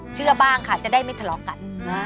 เชื่อบ้างค่ะจะได้ไม่ทะเลาะกัน